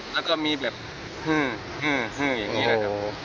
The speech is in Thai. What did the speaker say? แล้วก็มีแบบอย่างนี้แหละครับ